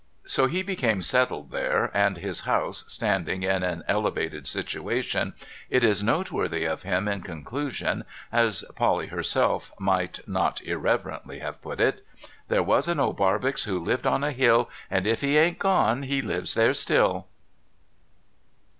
So, he became settled there, and, his house standing in an elevated situation, it is noteworthy of him in conclusion, as Polly herself might (not irreverently) have put it : •There was an Old Barbox who lived on a hill, And if he ain't gone, he lives there still.'